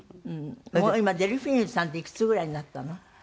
もう今デルフィーヌさんっていくつぐらいになったの？